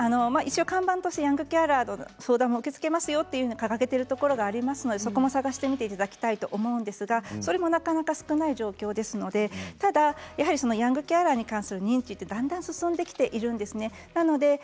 看板としてヤングケアラーの相談も受け付けますよと掲げているところがありますのでそこを探していただきたいと思うんですが、それもなかなか少ない状況ですので、ただヤングケアラーに関する認知はだんだん進んできているんですね。